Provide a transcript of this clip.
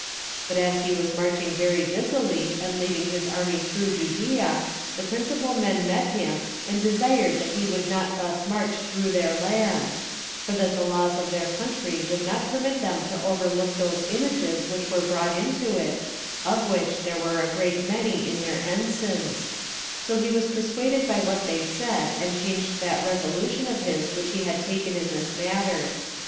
But as he was marching very busily, and leading his army through Judea, the principal men met him, and desired that he would not thus march through their land; for that the laws of their country would not permit them to overlook those images which were brought into it, of which there were a great many in their ensigns; so he was persuaded by what they said, and changed that resolution of his which he had before taken in this matter.